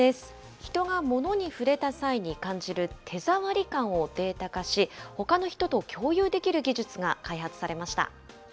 人が物に触れた際に感じる手触り感をデータ化し、ほかの人と共有できる技術が開発されました。